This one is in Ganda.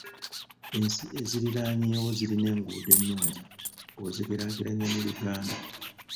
Ensi eziriraanyeewo zirina enguudo ennungi bw'ozigeraageranya ne Uganda.